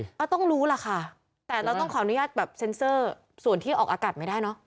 เราต้องรู้ล่ะค่ะแต่เราต้องขออนุญาตแบบเซ็นเซอร์ส่วนที่ออกอากาศไม่ได้เนอะ